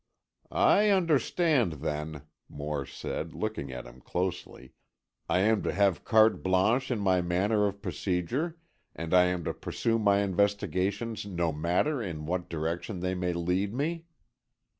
"I understand, then," Moore said, looking at him closely, "I am to have carte blanche in my manner of procedure, and I am to pursue my investigations no matter in what direction they may lead me?"